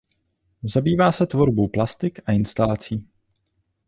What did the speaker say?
Zabývá se tvorbou plastik a instalací.